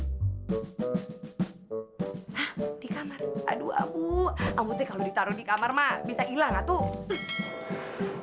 hah di kamar aduh ambu amu teh kalo ditaro di kamar mah bisa ilang gak tuh